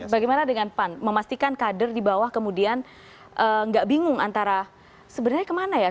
bagaimana dengan pan memastikan kader di bawah kemudian nggak bingung antara sebenarnya kemana ya